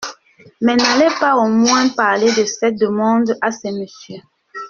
Mais n’allez pas au moins parler de cette demande à ces messieurs.